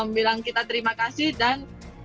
bilang kita terima kasih dan